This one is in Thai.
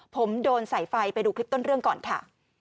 ผมโดนใส่ไฟไปดูคลิปต้นเรื่องก่อนค่ะ